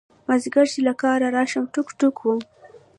مازدیگر چې له کاره راشم ټوک ټوک وم.